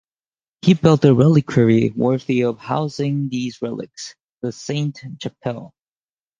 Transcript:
He built a reliquary worthy of housing these relics, the Sainte-Chapelle.